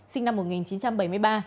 sinh năm một nghìn chín trăm chín mươi bảy